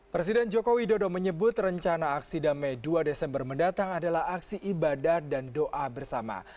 presiden joko widodo menyebut rencana aksi damai dua desember mendatang adalah aksi ibadah dan doa bersama